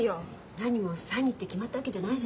なにも詐欺って決まったわけじゃないじゃない。